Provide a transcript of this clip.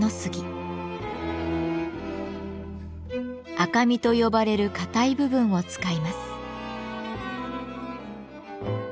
「赤身」と呼ばれる堅い部分を使います。